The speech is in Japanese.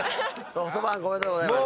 ソフトバンクおめでとうございます。